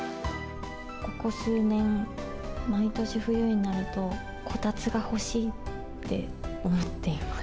ここ数年、毎年冬になると、こたつが欲しいって思っています。